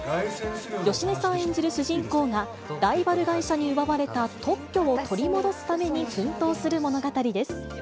芳根さん演じる主人公が、ライバル会社に奪われた特許を取り戻すために奮闘する物語です。